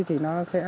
thì nó sẽ có